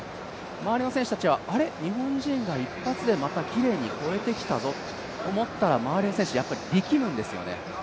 周りの選手たちは、あれ、日本人が一発でまたきれいに越えてきたぞと思ったら周りの選手、やっぱり力むんですよね。